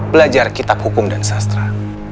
belajar kitab hukum dan sastra